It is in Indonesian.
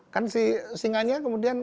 kan si singanya kemudian